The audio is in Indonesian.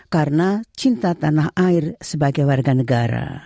karena cinta tanah air sebagai warga negara